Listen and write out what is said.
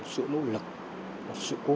sự nỗ lực và sự cố gắng